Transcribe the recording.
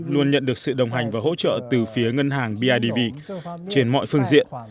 luôn nhận được sự đồng hành và hỗ trợ từ phía ngân hàng bidv trên mọi phương diện